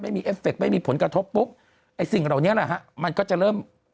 เอฟเคไม่มีผลกระทบปุ๊บไอ้สิ่งเหล่านี้แหละฮะมันก็จะเริ่ม